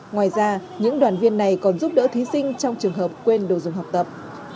ngoài ra những đoàn viên này còn giúp đỡ thí sinh trong trường hợp quên đồ dùng học tập